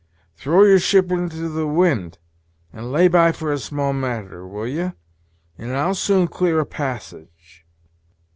Throw your ship into the wind, and lay by for a small matter, will ye? and I'll soon clear a passage."